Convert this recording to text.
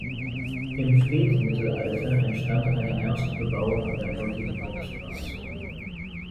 Im Spätmittelalter entstand eine erste Bebauung an der heutigen Hauptstraße.